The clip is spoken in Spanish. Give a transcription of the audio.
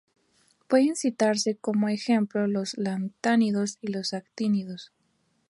Pueden citarse como ejemplos los lantánidos y los actínidos.